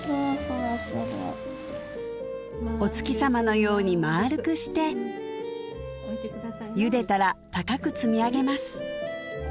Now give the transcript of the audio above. お月さまのようにまあるくしてゆでたら高く積み上げます